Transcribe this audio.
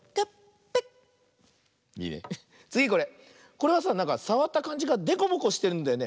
これはさなんかさわったかんじがでこぼこしてるんだよね。